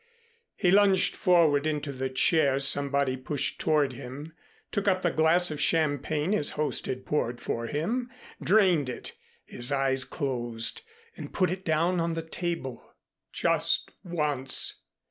He lunged forward into the chair somebody pushed toward him, took up the glass of champagne his host had poured for him, drained it, his eyes closed, and put it down on the table. Just once!